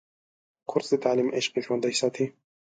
کورس د تعلیم عشق ژوندی ساتي.